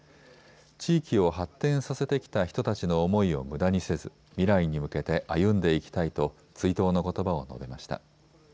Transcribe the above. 地域を発展させてきた人たちの思いをむだにせず未来に向けて歩んでいきたいと追悼のことばを述べました。